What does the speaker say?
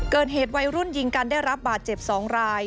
เกิดเหตุวัยรุ่นยิงกันได้รับบาดเจ็บ๒ราย